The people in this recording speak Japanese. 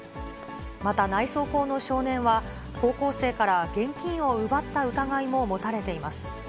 また内装工の少年は、高校生から現金を奪った疑いも持たれています。